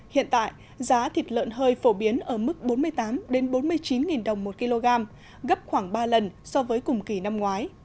hiện tại giá thịt lợn hơi phổ biến ở mức bốn mươi tám bốn mươi chín đồng một kg gấp khoảng ba lần so với cùng kỳ năm ngoái